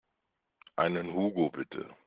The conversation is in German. Einen Hugo bitte.